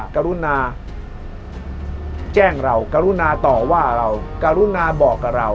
กรุณาแจ้งเรากรุณาต่อว่าเรากรุณาบอกกับเรา